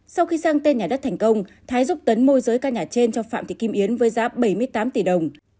sau khi sang tên nhà đất thành công thái giúp tấn môi giới căn nhà trên cho phạm thị kim yến với giá bảy mươi tám tỷ đồng